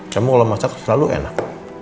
cuma kalo masak selalu enak